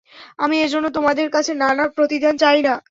আমি এ জন্যে তোমাদের কাছে কোন প্রতিদান চাই না।